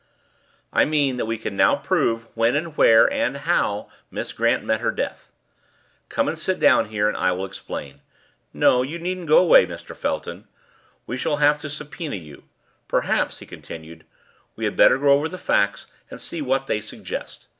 "I mean that we can now prove when and where and how Miss Grant met her death. Come and sit down here, and I will explain. No, you needn't go away, Mr. Felton. We shall have to subpoena you. Perhaps," he continued, "we had better go over the facts and see what they suggest.